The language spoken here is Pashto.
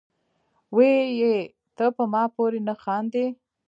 وې ئې " تۀ پۀ ما پورې نۀ خاندې،